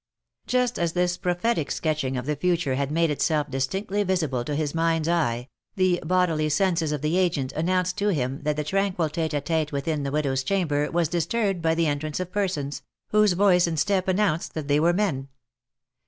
Just as this prophetic sketching of the future had made itself distinctly visible to his mind's eye, the bodily senses of the agent announced to him that the tranquil tete a tete within the widow's chamber was disturbed by the entrance of persons, whose voice and step announced that they were men.